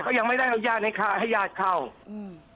แต่ก็ยังไม่ได้เอายานให้ให้ยาดเข้าอือ